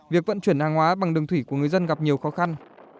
việc vận chuyển hàng hóa bằng đường thủy của người dân gặp nhiều khó khăn